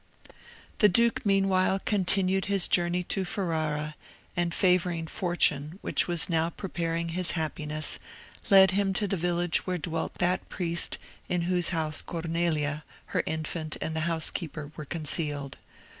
The duke meanwhile continued his journey to Ferrara, and favouring Fortune, which was now preparing his happiness, led him to the village where dwelt that priest in whose house Cornelia, her infant, and the housekeeper, were concealed.